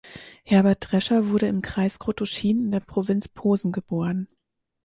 Herbert Drescher wurde im Kreis Krotoschin in der Provinz Posen geboren.